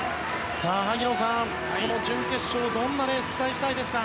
萩野さん、この準決勝どんなレースを期待したいですか。